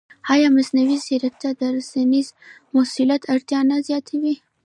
ایا مصنوعي ځیرکتیا د رسنیز مسوولیت اړتیا نه زیاتوي؟